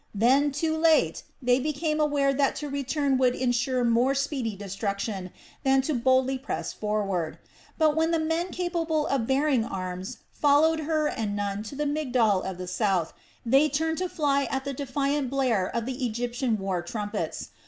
Then, too late, they became aware that to return would ensure more speedy destruction than to boldly press forward. But when the men capable of bearing arms followed Hur and Nun to the Migdol of the South, they turned to fly at the defiant blare of the Egyptian war trumpets.